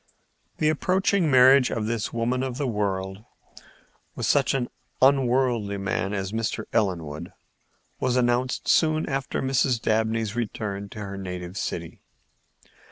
The approaching marriage of this woman of the world with such an unworldly man as Mr. Ellenwood was announced soon after Mrs. Dabney's return to her native city.